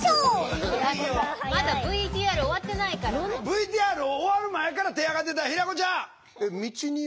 ＶＴＲ終わる前から手上がってた平子ちゃん！